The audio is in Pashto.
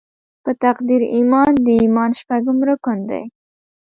په تقدیر ایمان د ایمان شپږم رکن دې.